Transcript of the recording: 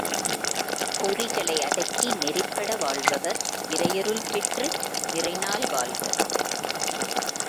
பொறிகளை அடக்கி நெறிப்பட வாழ்பவர் இறையருள் பெற்று நிறைநாள் வாழ்வர்.